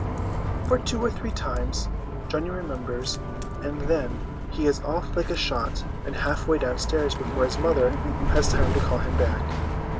For two or three times Johnny remembers; and then, he is off like a shot and half way downstairs before his mother has time to call him back.